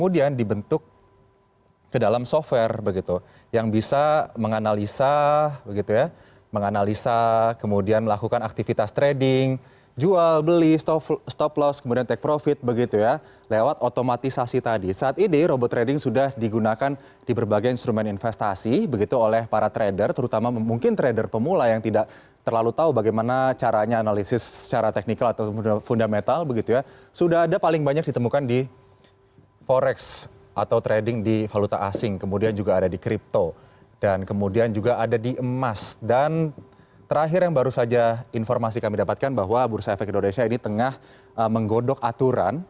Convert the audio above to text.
dan terakhir yang baru saja informasi kami dapatkan bahwa bursa efek indonesia ini tengah menggodok aturan